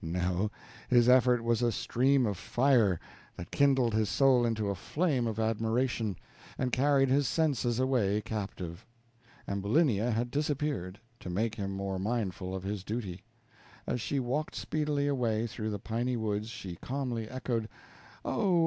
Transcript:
No, his effort was a stream of fire, that kindled his soul into a flame of admiration, and carried his senses away captive. Ambulinia had disappeared, to make him more mindful of his duty. As she walked speedily away through the piny woods she calmly echoed: "O!